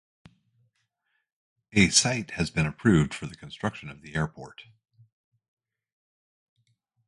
A site has been approved for the construction of the airport.